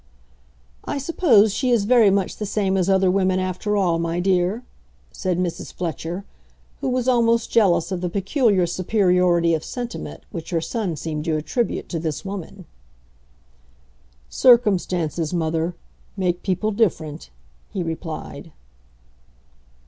"I suppose she is very much the same as other women, after all, my dear," said Mrs. Fletcher, who was almost jealous of the peculiar superiority of sentiment which her son seemed to attribute to this woman. "Circumstances, mother, make people different," he replied.